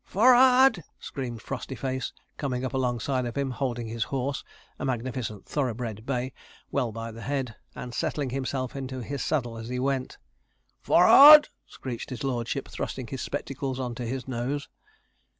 'F o o r r ard!' screamed Frostyface, coming up alongside of him, holding his horse a magnificent thoroughbred bay well by the head, and settling himself into his saddle as he went. 'F o r rard!' screeched his lordship, thrusting his spectacles on to his nose.